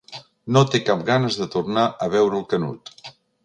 No té cap ganes de tornar a veure el Canut.